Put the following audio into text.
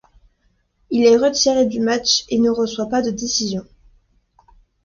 Il est retiré du match et ne reçoit pas de décision.